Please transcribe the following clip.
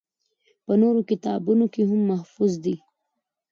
پۀ نورو کتابونو کښې هم محفوظ دي